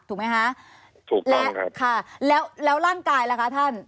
ถูกไหมฮะถูกต้องครับค่ะแล้วแล้วร่างกายแล้วค่ะท่าน